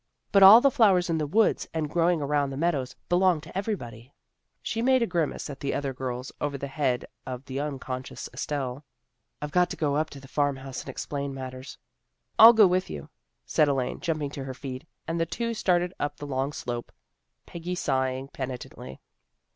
But all the flowers in the woods, and growing around the meadows, belong to everybody." She made a grimace at the other girls, over the head of the unconscious Estelle. " I've got to go up to the farmhouse and explain matters." " I'll go with you," said Elaine, jumping to her feet, and the two started up the long slope, Peggy sighing penitently.